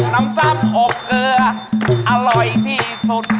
น้ำจ้ำอบเกลืออร่อยที่สุด